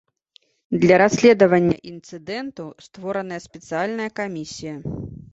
Для расследавання інцыдэнту створаная спецыяльная камісія.